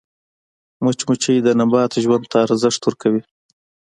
مچمچۍ د نبات ژوند ته ارزښت ورکوي